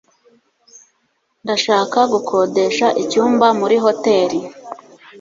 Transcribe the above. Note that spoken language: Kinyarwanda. Ndashaka gukodesha icyumba muri hoteri.